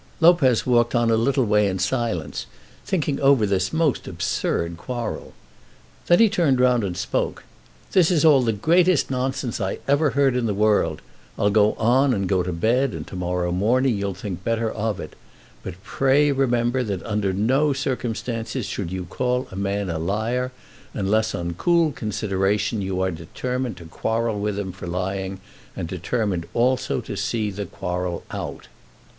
Lopez walked on a little way in silence, thinking over this most absurd quarrel. Then he turned round and spoke. "This is all the greatest nonsense I ever heard in the world. I'll go on and go to bed, and to morrow morning you'll think better of it. But pray remember that under no circumstances should you call a man a liar, unless on cool consideration you are determined to quarrel with him for lying, and determined also to see the quarrel out."